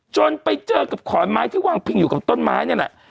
ไปเจอกับขอนไม้ที่วางพิงอยู่กับต้นไม้นี่แหละ